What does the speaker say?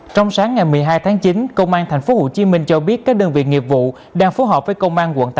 trong sáng ngày một mươi hai tháng chín công an tp hcm cho biết các đơn vị nghiệp vụ đang phối hợp với công an quận tám